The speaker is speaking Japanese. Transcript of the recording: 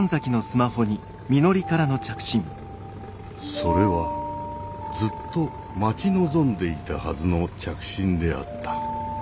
それはずっと待ち望んでいたはずの着信であった。